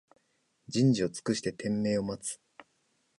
人事を尽くして天命を待つ